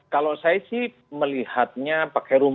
kalau saya sih melihatnya pakai rumah